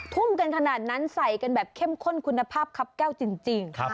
ทุ่มกันขนาดนั้นใส่กันแบบเข้มข้นคุณภาพครับแก้วจริง